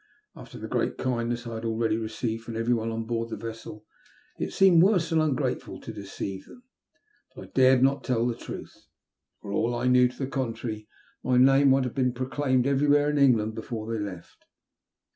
After the great kindness I had already received from everyone on board the vessel, it seemed worse than ungrateful to deceive them. But I dared not tell the truth. For all I knew to the contrary, my name might have been proclaimed everywhere in England before they left.